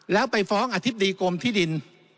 แล้วไปฟ้องอธิบดีกรมที่ดิน